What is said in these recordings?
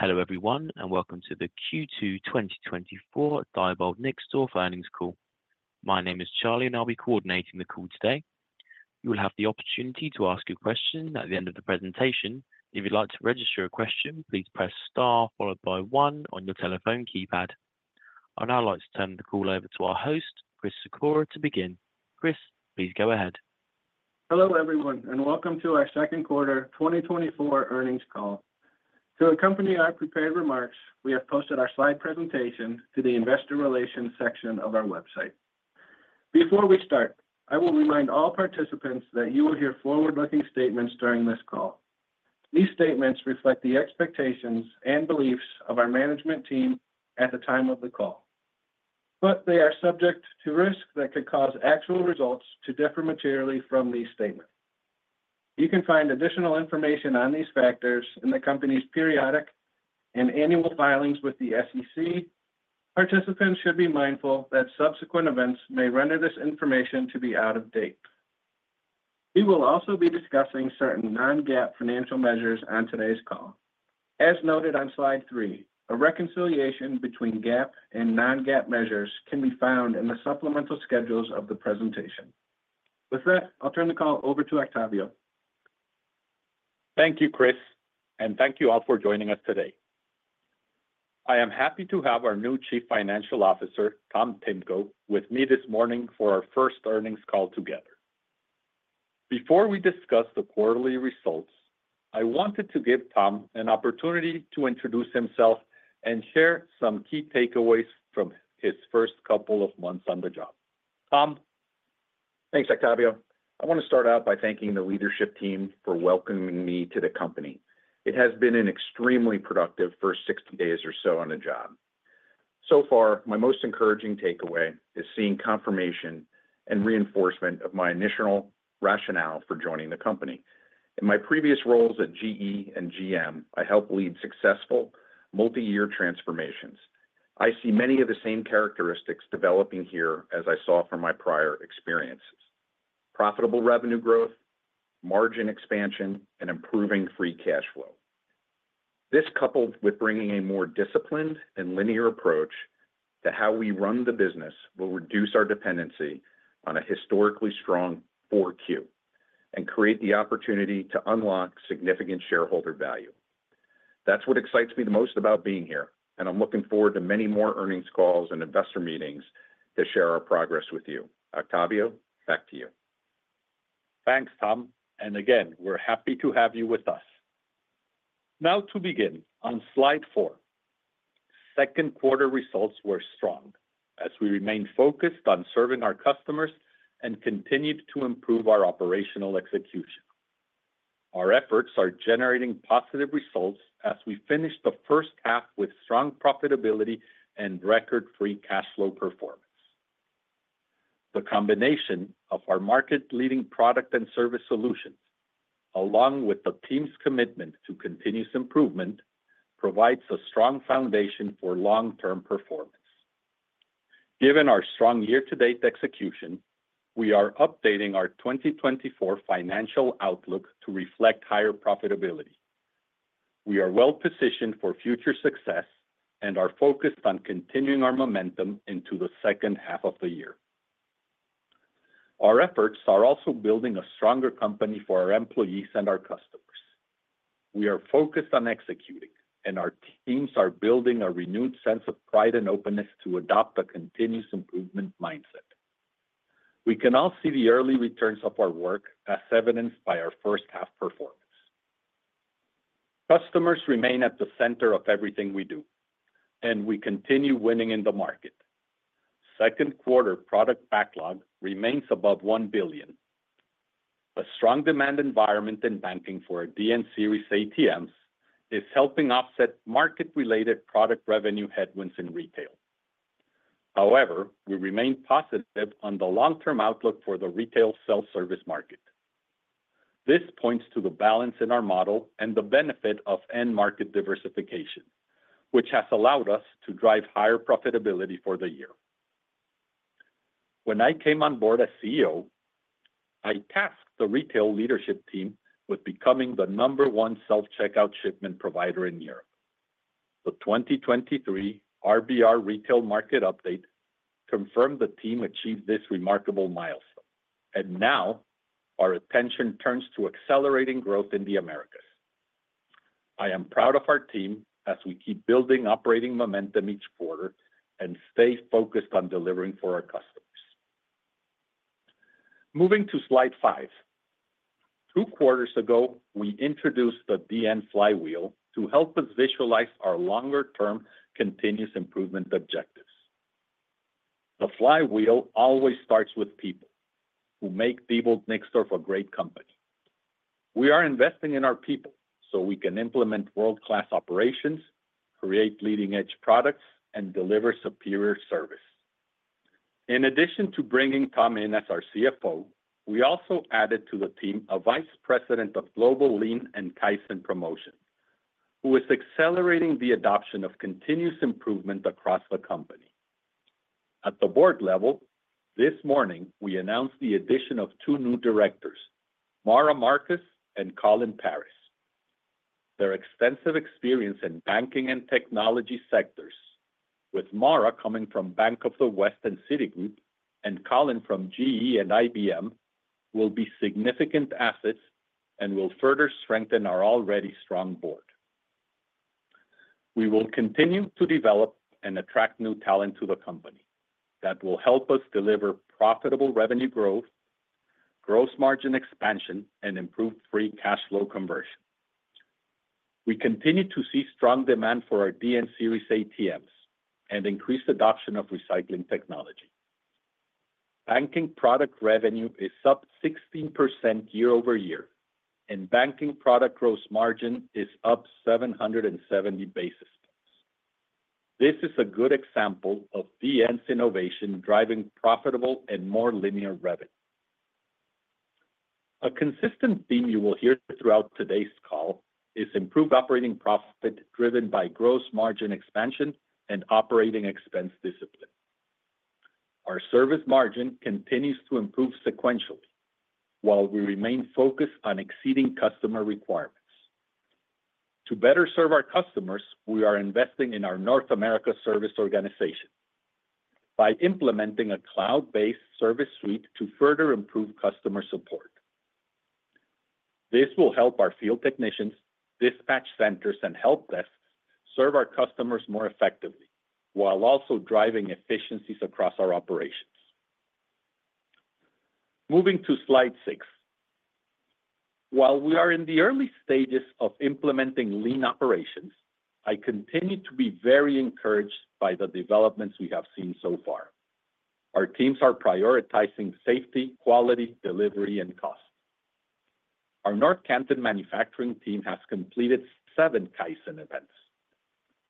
Hello, everyone, and welcome to the Q2 2024 Diebold Nixdorf Earnings Call. My name is Charlie, and I'll be coordinating the call today. You will have the opportunity to ask a question at the end of the presentation. If you'd like to register a question, please press star followed by one on your telephone keypad. I'd now like to turn the call over to our host, Chris Sikora, to begin. Chris, please go ahead. Hello, everyone, and welcome to our second quarter 2024 earnings call. To accompany our prepared remarks, we have posted our slide presentation to the investor relations section of our website. Before we start, I will remind all participants that you will hear forward-looking statements during this call. These statements reflect the expectations and beliefs of our management team at the time of the call, but they are subject to risks that could cause actual results to differ materially from these statements. You can find additional information on these factors in the company's periodic and annual filings with the SEC. Participants should be mindful that subsequent events may render this information to be out of date. We will also be discussing certain non-GAAP financial measures on today's call. As noted on slide three, a reconciliation between GAAP and non-GAAP measures can be found in the supplemental schedules of the presentation. With that, I'll turn the call over to Octavio. Thank you, Chris, and thank you all for joining us today. I am happy to have our new Chief Financial Officer, Tom Timko, with me this morning for our first earnings call together. Before we discuss the quarterly results, I wanted to give Tom an opportunity to introduce himself and share some key takeaways from his first couple of months on the job. Tom? Thanks, Octavio. I want to start out by thanking the leadership team for welcoming me to the company. It has been an extremely productive first 60 days or so on the job. So far, my most encouraging takeaway is seeing confirmation and reinforcement of my initial rationale for joining the company. In my previous roles at GE and GM, I helped lead successful multi-year transformations. I see many of the same characteristics developing here as I saw from my prior experiences: profitable revenue growth, margin expansion, and improving free cash flow. This, coupled with bringing a more disciplined and linear approach to how we run the business, will reduce our dependency on a historically strong Q4 and create the opportunity to unlock significant shareholder value. That's what excites me the most about being here, and I'm looking forward to many more earnings calls and investor meetings to share our progress with you. Octavio, back to you. Thanks, Tom, and again, we're happy to have you with us. Now to begin, on slide four, second quarter results were strong as we remained focused on serving our customers and continued to improve our operational execution. Our efforts are generating positive results as we finish the first half with strong profitability and record Free Cash Flow performance. The combination of our market-leading product and service solutions, along with the team's commitment to Continuous Improvement, provides a strong foundation for long-term performance. Given our strong year-to-date execution, we are updating our 2024 financial outlook to reflect higher profitability. We are well positioned for future success and are focused on continuing our momentum into the second half of the year. Our efforts are also building a stronger company for our employees and our customers. We are focused on executing, and our teams are building a renewed sense of pride and openness to adopt a continuous improvement mindset. We can all see the early returns of our work, as evidenced by our first half performance. Customers remain at the center of everything we do, and we continue winning in the market. Second quarter product backlog remains above $1 billion. A strong demand environment in banking for our DN Series ATMs is helping offset market-related product revenue headwinds in retail. However, we remain positive on the long-term outlook for the retail self-service market. This points to the balance in our model and the benefit of end market diversification, which has allowed us to drive higher profitability for the year. When I came on board as CEO, I tasked the retail leadership team with becoming the number one self-checkout shipment provider in Europe. The 2023 RBR retail market update confirmed the team achieved this remarkable milestone, and now our attention turns to accelerating growth in the Americas. I am proud of our team as we keep building operating momentum each quarter and stay focused on delivering for our customers. Moving to slide 5. Two quarters ago, we introduced the DN flywheel to help us visualize our longer-term continuous improvement objectives. The flywheel always starts with people who make Diebold Nixdorf a great company. We are investing in our people so we can implement world-class operations, create leading-edge products, and deliver superior service. In addition to bringing Tom in as our CFO, we also added to the team a Vice President of Global Lean and Kaizen Promotion, who is accelerating the adoption of continuous improvement across the company.... At the board level, this morning, we announced the addition of two new directors, Maura Markus and Colin Parris. Their extensive experience in banking and technology sectors, with Maura coming from Bank of the West and Citigroup, and Colin from GE and IBM, will be significant assets and will further strengthen our already strong board. We will continue to develop and attract new talent to the company that will help us deliver profitable revenue growth, gross margin expansion, and improved free cash flow conversion. We continue to see strong demand for our DN Series ATMs and increased adoption of recycling technology. Banking product revenue is up 16% year-over-year, and banking product gross margin is up 770 basis points. This is a good example of DN's innovation driving profitable and more linear revenue. A consistent theme you will hear throughout today's call is improved operating profit, driven by gross margin expansion and operating expense discipline. Our service margin continues to improve sequentially, while we remain focused on exceeding customer requirements. To better serve our customers, we are investing in our North America service organization by implementing a cloud-based service suite to further improve customer support. This will help our field technicians, dispatch centers, and help desks serve our customers more effectively, while also driving efficiencies across our operations. Moving to slide 6. While we are in the early stages of implementing lean operations, I continue to be very encouraged by the developments we have seen so far. Our teams are prioritizing safety, quality, delivery, and cost. Our North Canton manufacturing team has completed 7 Kaizen events.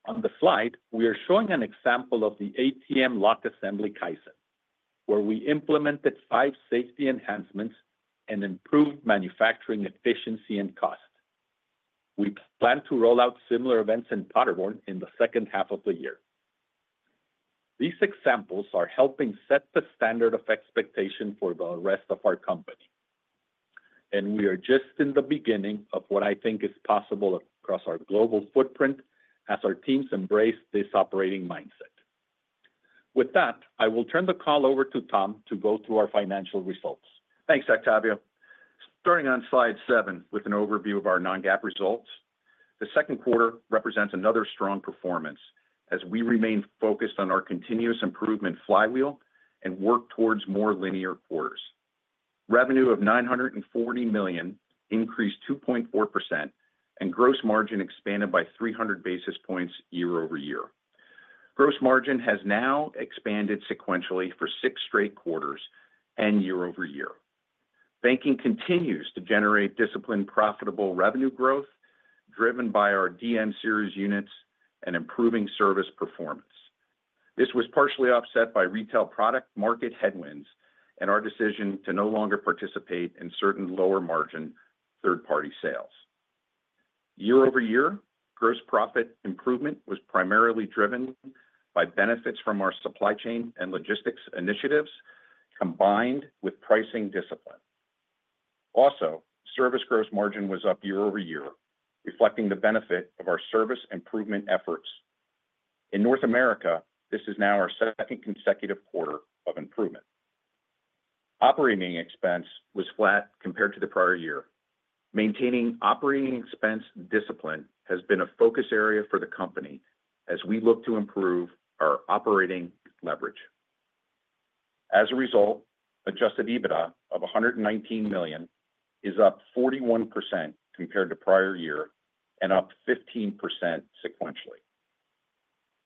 On the slide, we are showing an example of the ATM lock assembly Kaizen, where we implemented five safety enhancements and improved manufacturing efficiency and cost. We plan to roll out similar events in Paderborn in the second half of the year. These examples are helping set the standard of expectation for the rest of our company, and we are just in the beginning of what I think is possible across our global footprint as our teams embrace this operating mindset. With that, I will turn the call over to Tom to go through our financial results. Thanks, Octavio. Starting on slide seven, with an overview of our non-GAAP results, the second quarter represents another strong performance as we remain focused on our continuous improvement flywheel and work towards more linear quarters. Revenue of $940 million increased 2.4%, and gross margin expanded by 300 basis points year-over-year. Gross margin has now expanded sequentially for six straight quarters and year-over-year. Banking continues to generate disciplined, profitable revenue growth, driven by our DN Series units and improving service performance. This was partially offset by retail product market headwinds and our decision to no longer participate in certain lower-margin third-party sales. Year-over-year, gross profit improvement was primarily driven by benefits from our supply chain and logistics initiatives, combined with pricing discipline. Also, service gross margin was up year-over-year, reflecting the benefit of our service improvement efforts. In North America, this is now our second consecutive quarter of improvement. Operating expense was flat compared to the prior year. Maintaining operating expense discipline has been a focus area for the company as we look to improve our operating leverage. As a result, Adjusted EBITDA of $119 million is up 41% compared to prior year and up 15% sequentially.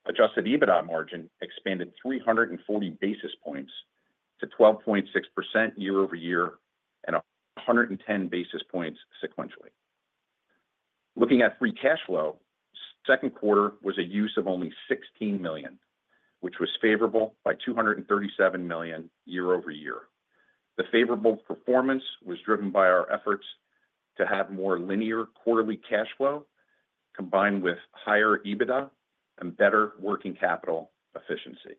Adjusted EBITDA margin expanded 340 basis points to 12.6% year-over-year and 110 basis points sequentially. Looking at Free Cash Flow, second quarter was a use of only $16 million, which was favorable by $237 million year-over-year. The favorable performance was driven by our efforts to have more linear quarterly cash flow, combined with higher EBITDA and better working capital efficiency.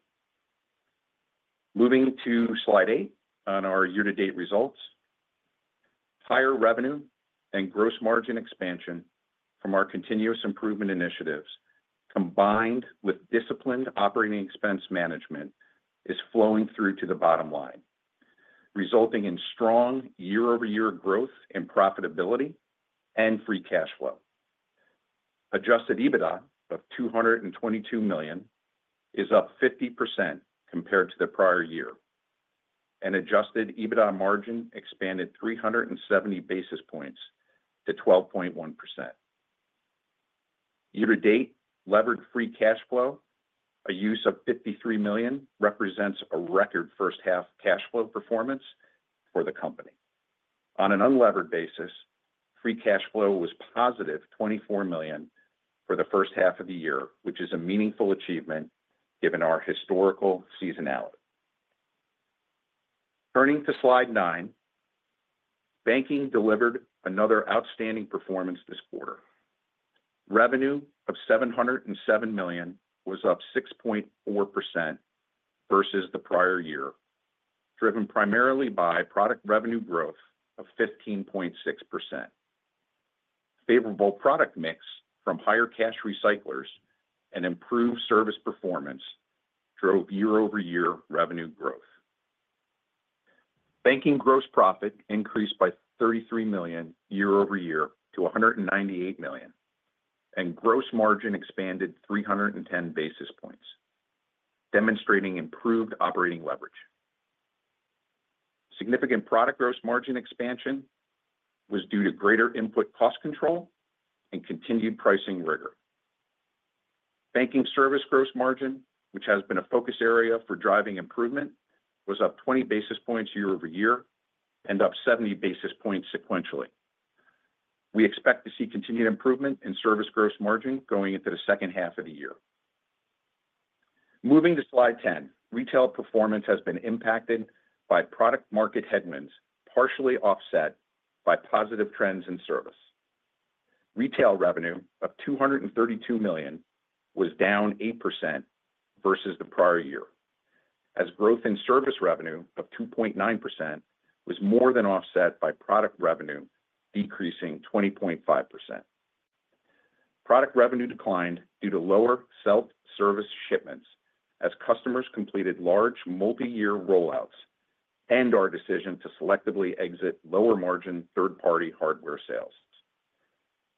Moving to slide eight on our year-to-date results. Higher revenue and gross margin expansion from our continuous improvement initiatives, combined with disciplined operating expense management, is flowing through to the bottom line, resulting in strong year-over-year growth and profitability and free cash flow. Adjusted EBITDA of $222 million is up 50% compared to the prior year, and adjusted EBITDA margin expanded 370 basis points to 12.1%. Year to date, levered free cash flow, a use of $53 million, represents a record first half cash flow performance for the company. On an unlevered basis, free cash flow was positive $24 million for the first half of the year, which is a meaningful achievement given our historical seasonality.... Turning to slide nine, banking delivered another outstanding performance this quarter. Revenue of $707 million was up 6.4% versus the prior year, driven primarily by product revenue growth of 15.6%. Favorable product mix from higher cash recyclers and improved service performance drove year-over-year revenue growth. Banking gross profit increased by $33 million year-over-year to $198 million, and gross margin expanded 310 basis points, demonstrating improved operating leverage. Significant product gross margin expansion was due to greater input cost control and continued pricing rigor. Banking service gross margin, which has been a focus area for driving improvement, was up 20 basis points year-over-year and up 70 basis points sequentially. We expect to see continued improvement in service gross margin going into the second half of the year. Moving to slide 10, retail performance has been impacted by product market headwinds, partially offset by positive trends in service. Retail revenue of $232 million was down 8% versus the prior year, as growth in service revenue of 2.9% was more than offset by product revenue, decreasing 20.5%. Product revenue declined due to lower self-service shipments as customers completed large multi-year rollouts and our decision to selectively exit lower-margin third-party hardware sales.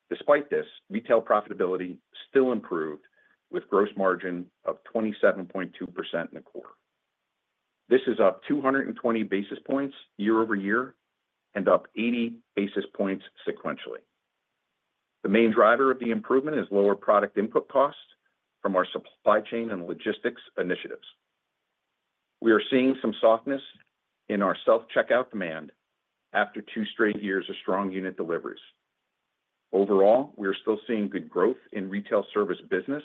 Despite this, retail profitability still improved with gross margin of 27.2% in the quarter. This is up 220 basis points year-over-year and up 80 basis points sequentially. The main driver of the improvement is lower product input costs from our supply chain and logistics initiatives. We are seeing some softness in our self-checkout demand after two straight years of strong unit deliveries. Overall, we are still seeing good growth in retail service business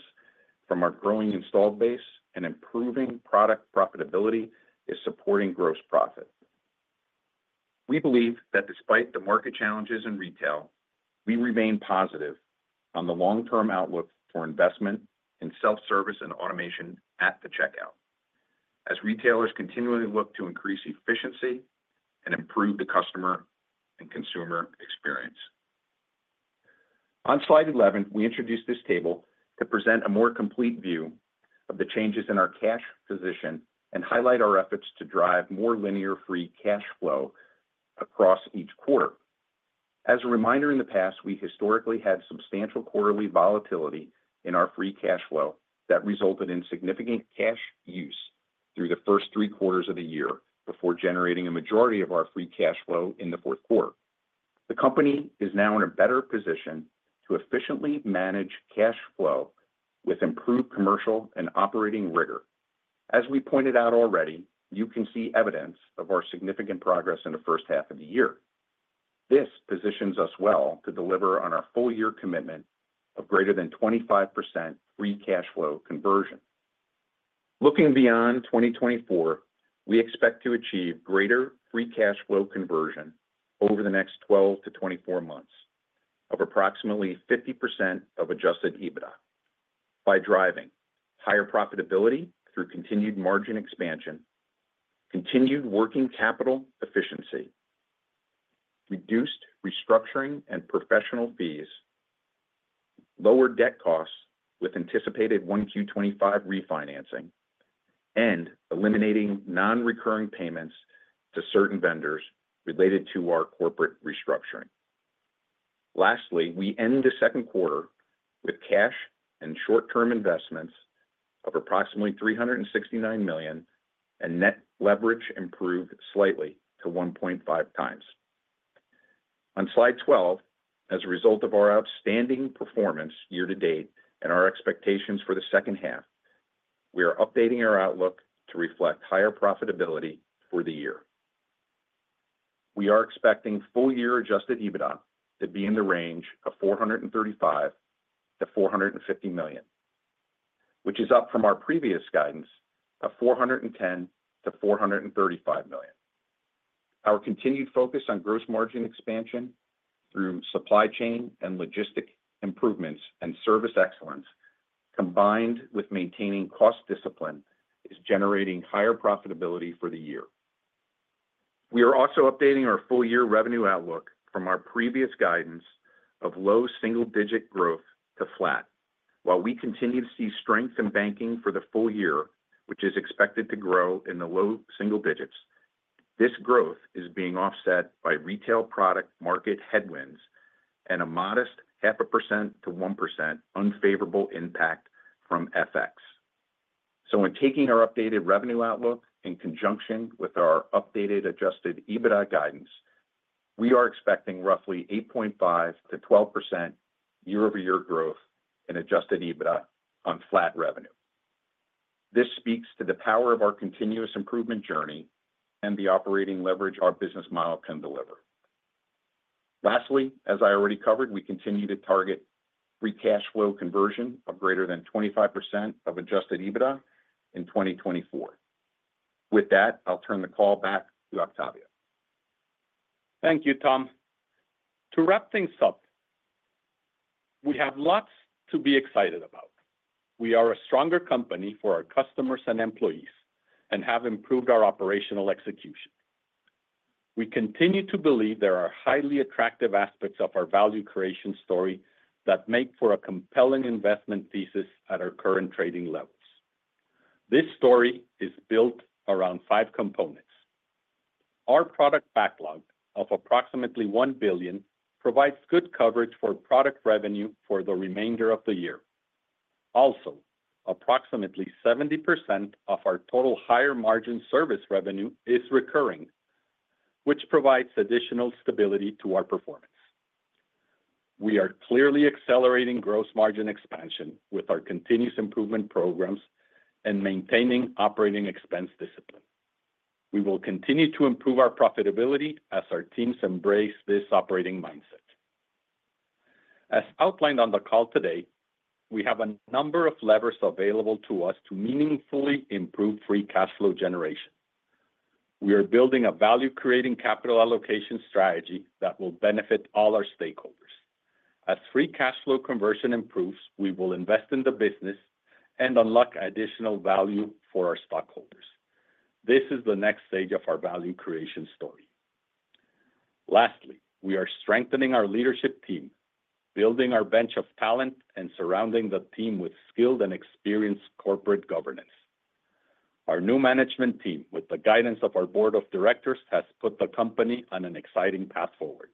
from our growing installed base, and improving product profitability is supporting gross profit. We believe that despite the market challenges in retail, we remain positive on the long-term outlook for investment in self-service and automation at the checkout, as retailers continually look to increase efficiency and improve the customer and consumer experience. On slide 11, we introduced this table to present a more complete view of the changes in our cash position and highlight our efforts to drive more linear free cash flow across each quarter. As a reminder, in the past, we historically had substantial quarterly volatility in our free cash flow that resulted in significant cash use through the first three quarters of the year before generating a majority of our free cash flow in the fourth quarter. The company is now in a better position to efficiently manage cash flow with improved commercial and operating rigor. As we pointed out already, you can see evidence of our significant progress in the first half of the year. This positions us well to deliver on our full-year commitment of greater than 25% free cash flow conversion. Looking beyond 2024, we expect to achieve greater Free Cash Flow conversion over the next 12-24 months of approximately 50% of Adjusted EBITDA by driving higher profitability through continued margin expansion, continued working capital efficiency, reduced restructuring and professional fees, lower debt costs with anticipated 1Q 2025 refinancing, and eliminating non-recurring payments to certain vendors related to our corporate restructuring. Lastly, we end the second quarter with cash and short-term investments of approximately $369 million, and net leverage improved slightly to 1.5x. On slide 12, as a result of our outstanding performance year to date and our expectations for the second half, we are updating our outlook to reflect higher profitability for the year. We are expecting full-year adjusted EBITDA to be in the range of $435 million-$450 million, which is up from our previous guidance of $410 million-$435 million. Our continued focus on gross margin expansion through supply chain and logistic improvements and service excellence, combined with maintaining cost discipline, is generating higher profitability for the year. We are also updating our full-year revenue outlook from our previous guidance of low single-digit growth to flat. While we continue to see strength in banking for the full year, which is expected to grow in the low single digits, this growth is being offset by retail product market headwinds and a modest 0.5%-1% unfavorable impact from FX. So when taking our updated revenue outlook in conjunction with our updated Adjusted EBITDA guidance, we are expecting roughly 8.5%-12% year-over-year growth in Adjusted EBITDA on flat revenue. This speaks to the power of our Continuous Improvement journey and the operating leverage our business model can deliver. Lastly, as I already covered, we continue to target Free Cash Flow conversion of greater than 25% of Adjusted EBITDA in 2024. With that, I'll turn the call back to Octavio. Thank you, Tom. To wrap things up, we have lots to be excited about. We are a stronger company for our customers and employees and have improved our operational execution. We continue to believe there are highly attractive aspects of our value creation story that make for a compelling investment thesis at our current trading levels. This story is built around five components. Our product backlog of approximately $1 billion provides good coverage for product revenue for the remainder of the year. Also, approximately 70% of our total higher margin service revenue is recurring, which provides additional stability to our performance. We are clearly accelerating gross margin expansion with our continuous improvement programs and maintaining operating expense discipline. We will continue to improve our profitability as our teams embrace this operating mindset. As outlined on the call today, we have a number of levers available to us to meaningfully improve Free Cash Flow generation. We are building a value-creating capital allocation strategy that will benefit all our stakeholders. As Free Cash Flow conversion improves, we will invest in the business and unlock additional value for our stockholders. This is the next stage of our value creation story. Lastly, we are strengthening our leadership team, building our bench of talent, and surrounding the team with skilled and experienced corporate governance. Our new management team, with the guidance of our board of directors, has put the company on an exciting path forward.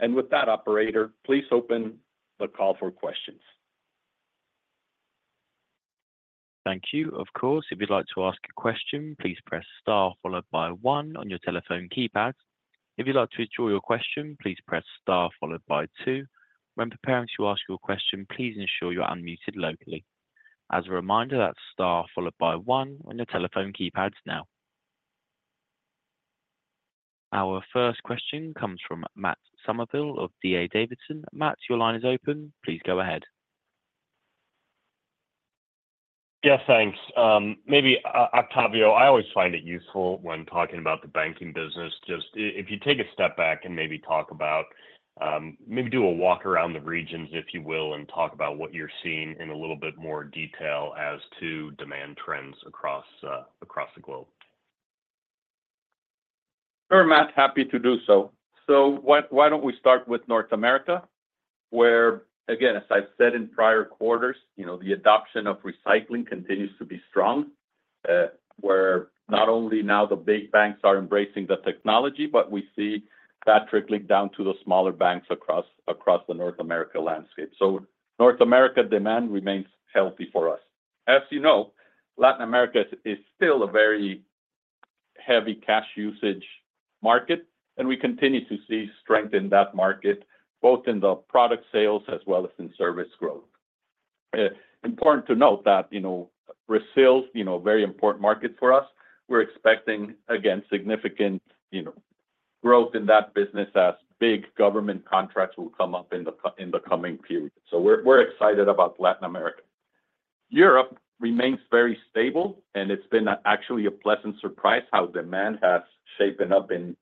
With that, operator, please open the call for questions. Thank you. Of course, if you'd like to ask a question, please press Star followed by one on your telephone keypad. If you'd like to withdraw your question, please press Star followed by two. When preparing to ask your question, please ensure you're unmuted locally. As a reminder, that's Star followed by one on your telephone keypads now. Our first question comes from Matt Somerville of D.A. Davidson. Matt, your line is open. Please go ahead. Yes, thanks. Maybe, Octavio, I always find it useful when talking about the banking business, just if you take a step back and maybe talk about, maybe do a walk around the regions, if you will, and talk about what you're seeing in a little bit more detail as to demand trends across, across the globe. Sure, Matt, happy to do so. So why, why don't we start with North America, where, again, as I've said in prior quarters, you know, the adoption of recycling continues to be strong, where not only now the big banks are embracing the technology, but we see that trickling down to the smaller banks across the North America landscape. So North America demand remains healthy for us. As you know, Latin America is still a very heavy cash usage market, and we continue to see strength in that market, both in the product sales as well as in service growth. Important to note that, you know, Brazil, you know, a very important market for us. We're expecting, again, significant, you know, growth in that business as big government contracts will come up in the coming period. So we're excited about Latin America. Europe remains very stable, and it's been actually a pleasant surprise how demand has shaped up in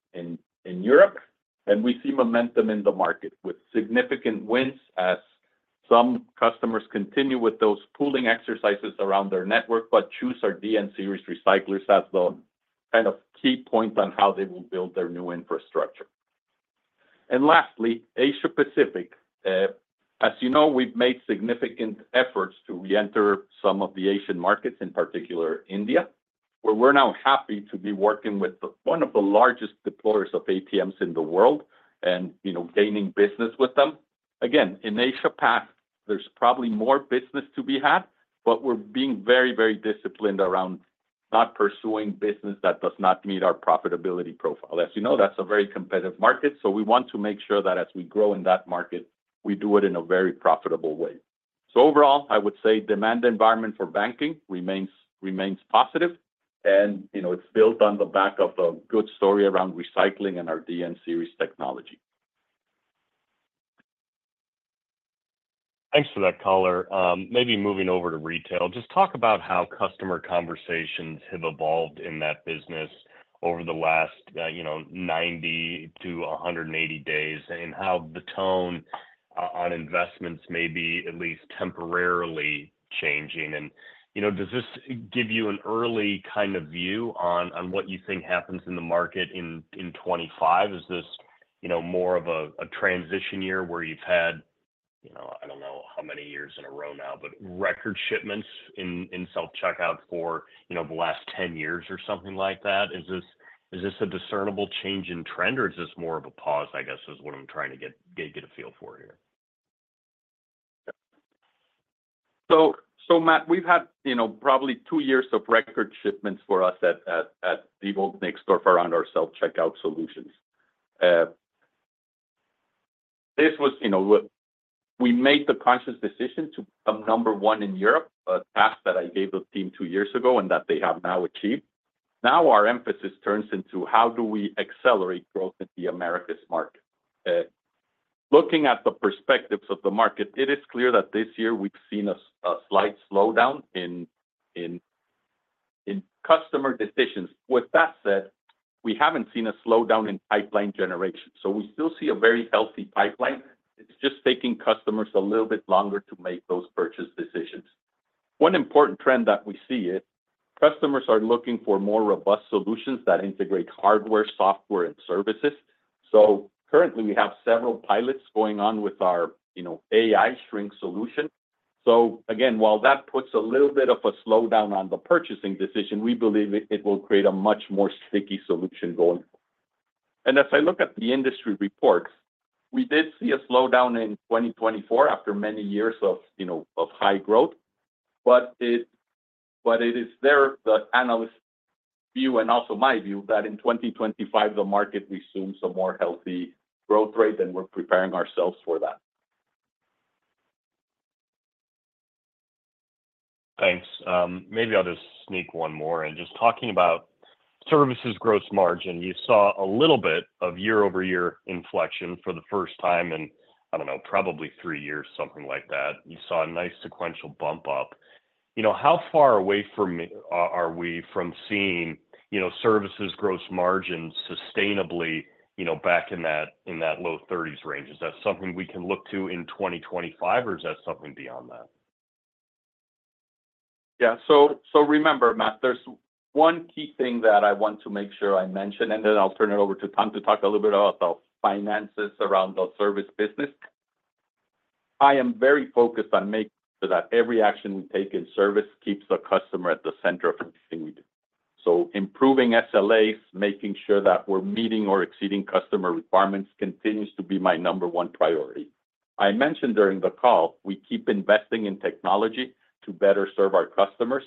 Europe. We see momentum in the market, with significant wins as some customers continue with those pooling exercises around their network, but choose our DN Series recyclers as the kind of key point on how they will build their new infrastructure. Lastly, Asia Pacific. As you know, we've made significant efforts to reenter some of the Asian markets, in particular India, where we're now happy to be working with one of the largest deployers of ATMs in the world and, you know, gaining business with them. Again, in Asia Pac, there's probably more business to be had, but we're being very, very disciplined around not pursuing business that does not meet our profitability profile. As you know, that's a very competitive market, so we want to make sure that as we grow in that market, we do it in a very profitable way. So overall, I would say demand environment for banking remains positive, and, you know, it's built on the back of a good story around recycling and our DN Series technology. Thanks for that color. Maybe moving over to retail, just talk about how customer conversations have evolved in that business over the last, you know, 90-180 days, and how the tone on investments may be at least temporarily changing. And, you know, does this give you an early kind of view on, on what you think happens in the market in, in 25? Is this, you know, more of a transition year where you've had, you know, I don't know how many years in a row now, but record shipments in self-checkout for, you know, the last 10 years or something like that? Is this a discernible change in trend, or is this more of a pause, I guess, is what I'm trying to get a feel for here? So, Matt, we've had, you know, probably two years of record shipments for us at Diebold Nixdorf for around our self-checkout solutions. This was, you know, we made the conscious decision to become number one in Europe, a task that I gave the team two years ago and that they have now achieved. Now our emphasis turns into how do we accelerate growth in the Americas market? Looking at the perspectives of the market, it is clear that this year we've seen a slight slowdown in customer decisions. With that said, we haven't seen a slowdown in pipeline generation, so we still see a very healthy pipeline. It's just taking customers a little bit longer to make those purchase decisions. One important trend that we see is customers are looking for more robust solutions that integrate hardware, software, and services. So currently, we have several pilots going on with our, you know, AI shrink solution. So again, while that puts a little bit of a slowdown on the purchasing decision, we believe it, it will create a much more sticky solution going forward. And as I look at the industry reports, we did see a slowdown in 2024 after many years of, you know, of high growth. But it, but it is there, the analyst view, and also my view, that in 2025, the market resumes a more healthy growth rate, and we're preparing ourselves for that. Thanks. Maybe I'll just sneak one more in. Just talking about services gross margin, you saw a little bit of year-over-year inflection for the first time in, I don't know, probably three years, something like that. You saw a nice sequential bump up. You know, how far away are we from seeing, you know, services gross margins sustainably, you know, back in that, in that low thirties range? Is that something we can look to in 2025, or is that something beyond that? Yeah. So remember, Matt, there's one key thing that I want to make sure I mention, and then I'll turn it over to Tom to talk a little bit about the finances around the service business. I am very focused on making sure that every action we take in service keeps the customer at the center of everything we do. So improving SLAs, making sure that we're meeting or exceeding customer requirements continues to be my number one priority. I mentioned during the call, we keep investing in technology to better serve our customers.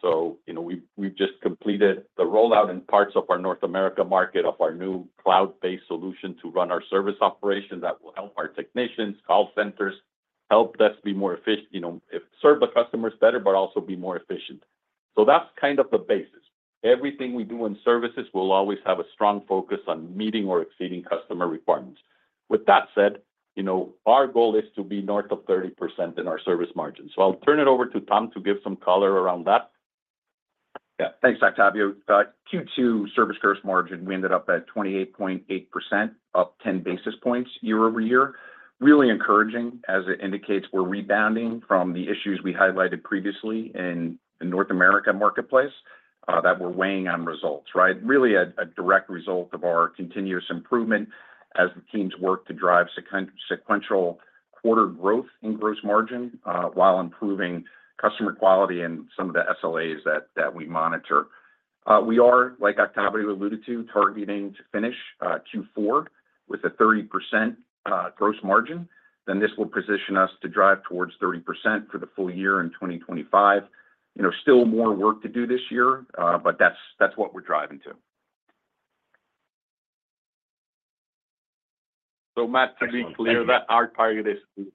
So, you know, we've just completed the rollout in parts of our North America market of our new cloud-based solution to run our service operation. That will help our technicians, call centers, help us be more efficient. You know, serve the customers better, but also be more efficient. So that's kind of the basis. Everything we do in services will always have a strong focus on meeting or exceeding customer requirements. With that said, you know, our goal is to be north of 30% in our service margin. So I'll turn it over to Tom to give some color around that. Yeah. Thanks, Octavio. Q2 service gross margin, we ended up at 28.8%, up 10 basis points year-over-year. Really encouraging, as it indicates we're rebounding from the issues we highlighted previously in the North America marketplace that we're weighing on results, right? Really a direct result of our continuous improvement as the teams work to drive sequential quarter growth and gross margin, while improving customer quality and some of the SLAs that we monitor. We are, like Octavio alluded to, targeting to finish Q4 with a 30% gross margin. Then this will position us to drive towards 30% for the full year in 2025. You know, still more work to do this year, but that's what we're driving to. Matt, to be clear- Excellent. Thank you... that our target is to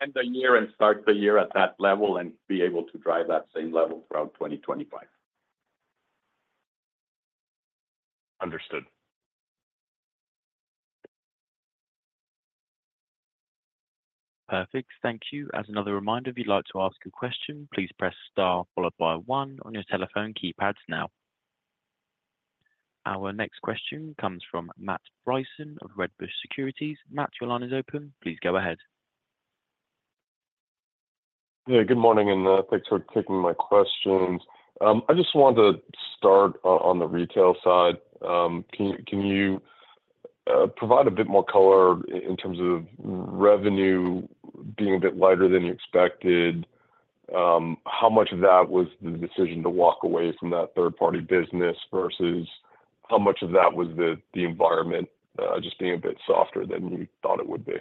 end the year and start the year at that level and be able to drive that same level throughout 2025. Understood. Perfect. Thank you. As another reminder, if you'd like to ask a question, please press Star, followed by one on your telephone keypads now. Our next question comes from Matt Bryson of Wedbush Securities. Matt, your line is open. Please go ahead. Yeah, good morning, and, thanks for taking my questions. I just wanted to start on, on the retail side. Can you provide a bit more color in terms of revenue being a bit lighter than you expected? How much of that was the decision to walk away from that third-party business, versus how much of that was the environment just being a bit softer than you thought it would be?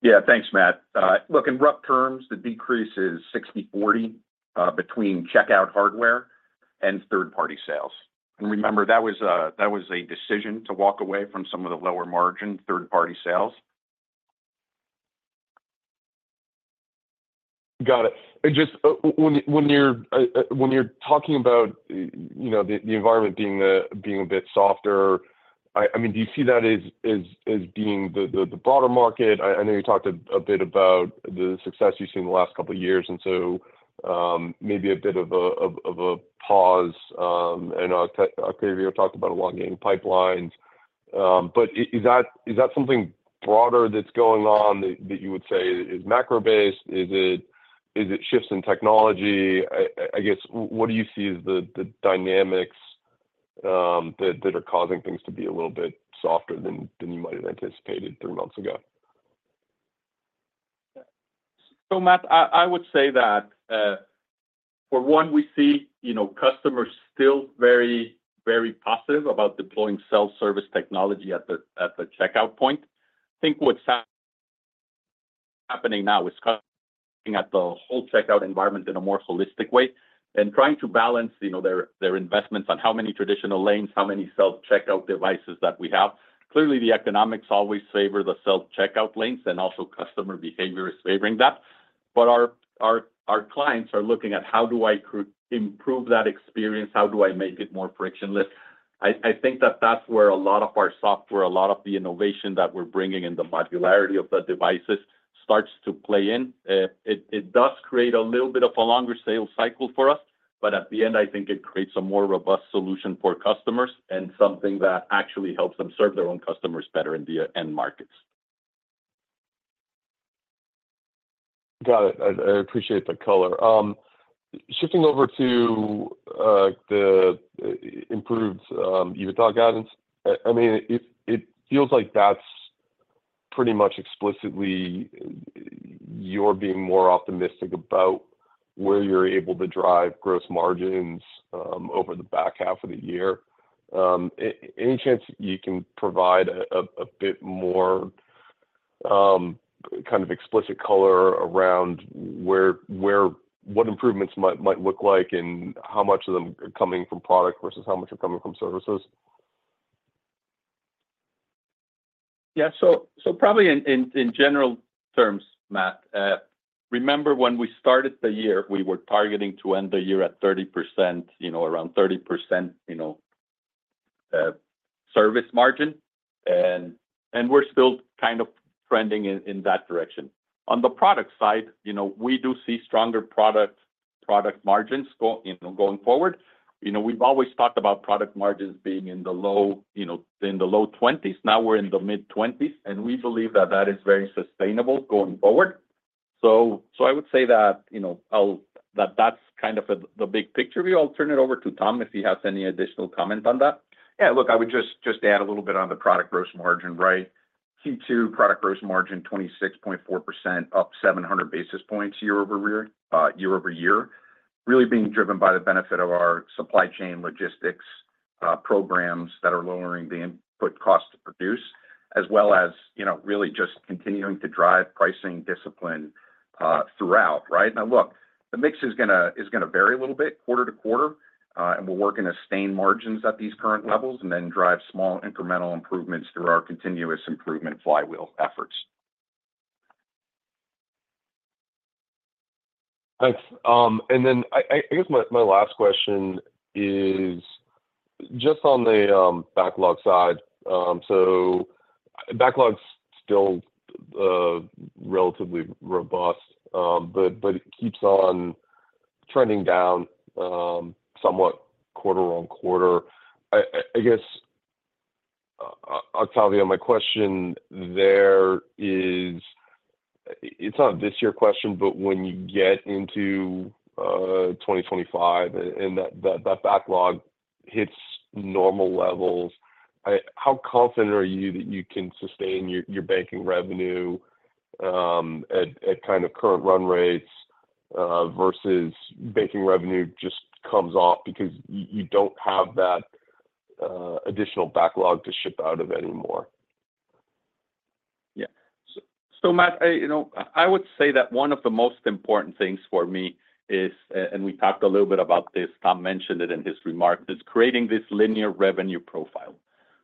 Yeah. Thanks, Matt. Look, in rough terms, the decrease is 60/40 between checkout hardware and third-party sales. And remember, that was a decision to walk away from some of the lower-margin third-party sales. Got it. And just when you're talking about, you know, the environment being a bit softer, I mean, do you see that as being the broader market? I know you talked a bit about the success you've seen in the last couple of years, and so, maybe a bit of a pause, and Octavio talked about elongating pipelines. But is that something broader that's going on, that you would say is macro-based? Is it shifts in technology? I guess, what do you see as the dynamics that are causing things to be a little bit softer than you might have anticipated three months ago? So, Matt, I would say that, uh, for one, we see, you know, customers still very, very positive about deploying self-service technology at the checkout point. I think what's happening now is looking at the whole checkout environment in a more holistic way and trying to balance, you know, their investments on how many traditional lanes, how many self-checkout devices that we have. Clearly, the economics always favor the self-checkout lanes, and also customer behavior is favoring that. But our clients are looking at: How do I improve that experience? How do I make it more frictionless? I think that that's where a lot of our software, a lot of the innovation that we're bringing, and the modularity of the devices starts to play in. It does create a little bit of a longer sales cycle for us, but at the end, I think it creates a more robust solution for customers and something that actually helps them serve their own customers better in the end markets. Got it. I appreciate the color. Shifting over to the improved EBITDA guidance. I mean, it feels like that's pretty much explicitly you're being more optimistic about where you're able to drive gross margins over the back half of the year. Any chance you can provide a bit more kind of explicit color around where what improvements might look like, and how much of them are coming from product versus how much are coming from services? Yeah. So probably in general terms, Matt, remember when we started the year, we were targeting to end the year at 30%, you know, around 30%, you know, service margin, and we're still kind of trending in that direction. On the product side, you know, we do see stronger product margins go, you know, going forward. You know, we've always talked about product margins being in the low, you know, in the low 20s. Now we're in the mid-20s, and we believe that that is very sustainable going forward. So I would say that, you know, that's kind of the big picture view. I'll turn it over to Tom, if he has any additional comment on that. Yeah, look, I would just add a little bit on the product gross margin, right? Q2 product gross margin, 26.4%, up 700 basis points year-over-year, year-over-year. Really being driven by the benefit of our supply chain logistics programs that are lowering the input cost to produce, as well as, you know, really just continuing to drive pricing discipline throughout. Right? Now, look, the mix is gonna vary a little bit quarter-to-quarter, and we're working to sustain margins at these current levels, and then drive small incremental improvements through our Continuous Improvement flywheel efforts. Thanks. And then, I guess my last question is just on the backlog side. So backlog's still relatively robust, but it keeps on trending down somewhat quarter-over-quarter. I guess, Octavio, my question there is... It's not a this year question, but when you get into 2025 and that backlog hits normal levels, how confident are you that you can sustain your banking revenue at kind of current run rates versus banking revenue just comes off because you don't have that additional backlog to ship out of anymore? Yeah. So, Matt, you know, I would say that one of the most important things for me is, and we talked a little bit about this, Tom mentioned it in his remarks, is creating this linear revenue profile.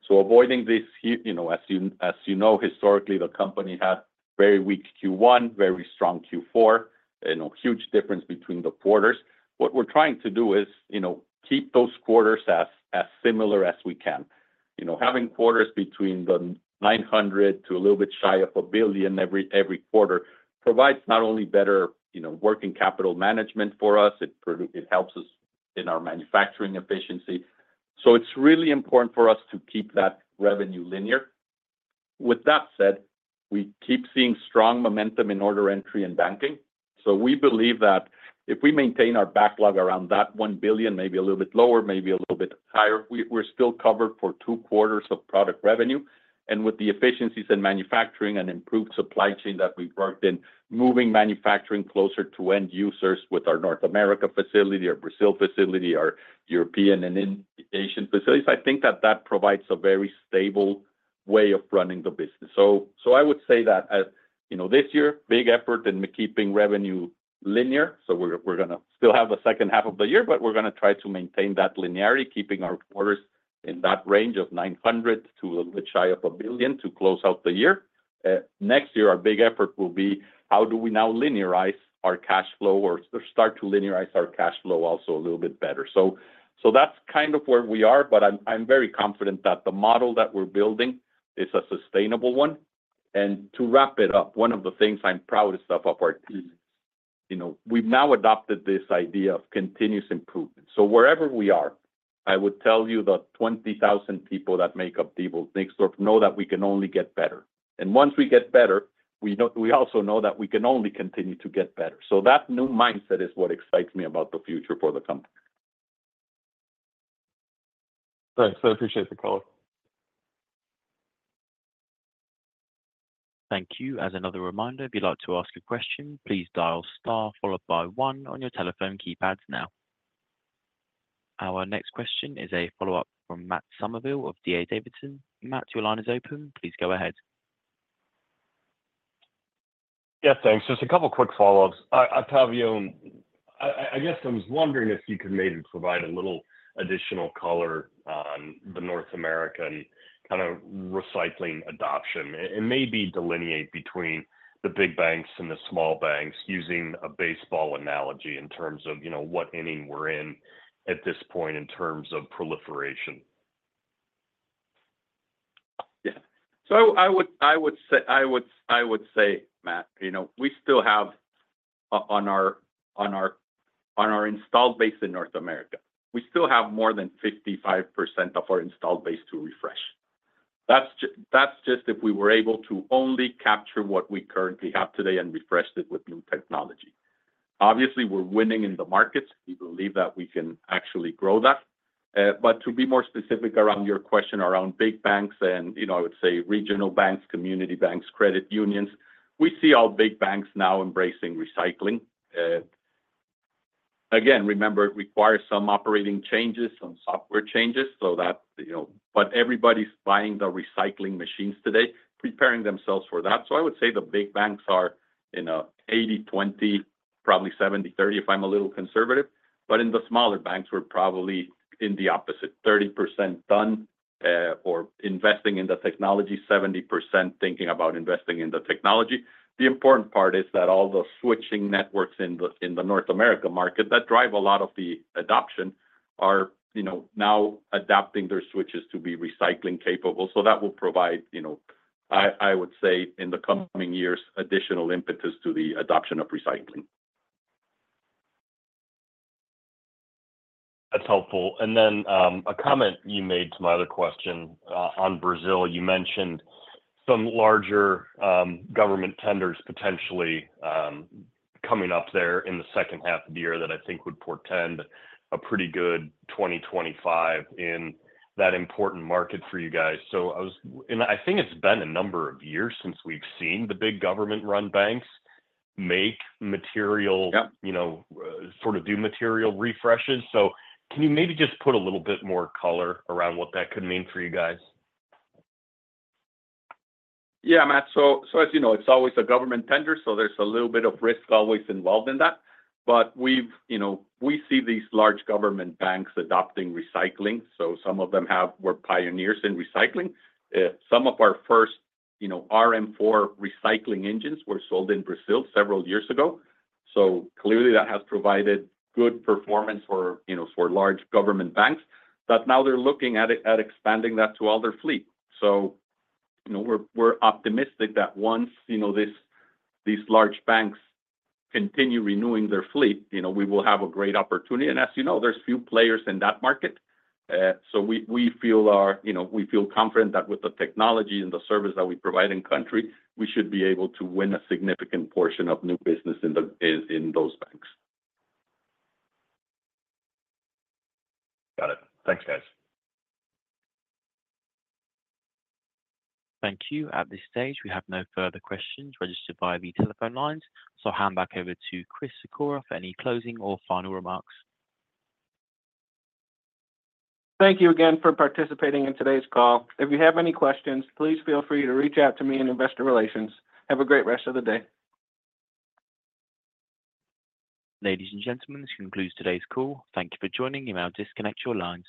So avoiding this, you know, as you know, historically, the company had very weak Q1, very strong Q4, you know, huge difference between the quarters. What we're trying to do is, you know, keep those quarters as similar as we can. You know, having quarters between $900 million and a little bit shy of $1 billion every quarter provides not only better, you know, working capital management for us, it helps us in our manufacturing efficiency. So it's really important for us to keep that revenue linear. With that said, we keep seeing strong momentum in order entry and banking, so we believe that if we maintain our backlog around that $1 billion, maybe a little bit lower, maybe a little bit higher, we're still covered for 2 quarters of product revenue. And with the efficiencies in manufacturing and improved supply chain that we've worked in, moving manufacturing closer to end users with our North America facility, our Brazil facility, our European and Asian facilities, I think that that provides a very stable way of running the business. So, so I would say that, you know, this year, big effort in keeping revenue linear, so we're gonna still have a second half of the year, but we're gonna try to maintain that linearity, keeping our quarters in that range of $900 million to a little bit shy of $1 billion to close out the year. Next year, our big effort will be: How do we now linearize our cash flow or start to linearize our cash flow also a little bit better? So, so that's kind of where we are, but I'm, I'm very confident that the model that we're building is a sustainable one. And to wrap it up, one of the things I'm proudest of, of our team, you know, we've now adopted this idea of continuous improvement. So wherever we are, I would tell you the 20,000 people that make up Diebold Nixdorf know that we can only get better. And once we get better, we know, we also know that we can only continue to get better. So that new mindset is what excites me about the future for the company. Thanks. I appreciate the call. Thank you. As another reminder, if you'd like to ask a question, please dial star followed by one on your telephone keypads now. Our next question is a follow-up from Matt Somerville of D.A. Davidson. Matt, your line is open. Please go ahead. Yes, thanks. Just a couple quick follow-ups. Octavio, I guess I was wondering if you could maybe provide a little additional color on the North American kind of recycling adoption, and maybe delineate between the big banks and the small banks, using a baseball analogy in terms of, you know, what inning we're in at this point in terms of proliferation? Yeah. So I would say, Matt, you know, we still have on our installed base in North America, we still have more than 55% of our installed base to refresh. That's just if we were able to only capture what we currently have today and refresh it with new technology. Obviously, we're winning in the markets. We believe that we can actually grow that. But to be more specific around your question around big banks and, you know, I would say regional banks, community banks, credit unions, we see all big banks now embracing recycling. Again, remember, it requires some operating changes, some software changes, so that, you know... But everybody's buying the recycling machines today, preparing themselves for that. So I would say the big banks are in a 80-20, probably 70-30, if I'm a little conservative, but in the smaller banks, we're probably in the opposite, 30% done, or investing in the technology, 70% thinking about investing in the technology. The important part is that all the switching networks in the North America market that drive a lot of the adoption are, you know, now adapting their switches to be recycling-capable. So that will provide, you know, I would say, in the coming years, additional impetus to the adoption of recycling. That's helpful. And then, a comment you made to my other question, on Brazil. You mentioned some larger, government tenders potentially, coming up there in the second half of the year that I think would portend a pretty good 2025 in that important market for you guys. And I think it's been a number of years since we've seen the big government-run banks make material- Yep. You know, sort of do material refreshes. So can you maybe just put a little bit more color around what that could mean for you guys? Yeah, Matt. So, so as you know, it's always a government tender, so there's a little bit of risk always involved in that. But we've, you know, we see these large government banks adopting recycling, so some of them have... were pioneers in recycling. Some of our first, you know, RM4 recycling engines were sold in Brazil several years ago, so clearly that has provided good performance for, you know, for large government banks, that now they're looking at it, at expanding that to all their fleet. So, you know, we're, we're optimistic that once, you know, this, these large banks continue renewing their fleet, you know, we will have a great opportunity. As you know, there's few players in that market, so we feel confident, you know, that with the technology and the service that we provide in country, we should be able to win a significant portion of new business in those banks. Got it. Thanks, guys. Thank you. At this stage, we have no further questions registered via the telephone lines, so I'll hand back over to Chris Sikora for any closing or final remarks. Thank you again for participating in today's call. If you have any questions, please feel free to reach out to me in Investor Relations. Have a great rest of the day. Ladies and gentlemen, this concludes today's call. Thank you for joining. You may now disconnect your lines.